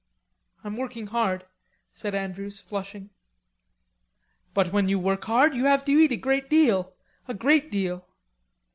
"I'm working hard," said Andrews, flushing. "But when you work you have to eat a great deal, a great deal."